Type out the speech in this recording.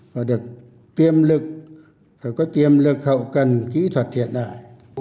và được tiêm lực có tiêm lực hậu cần kỹ thuật thiện đại